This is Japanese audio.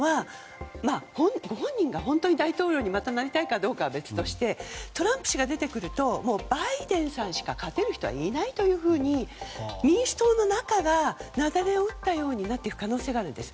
ご本人が本当に大統領にまたなりたいかどうかは別としてトランプ氏が出てくるとバイデンさんしか勝てないというふうに民主党の中がなっていく可能性があるんです。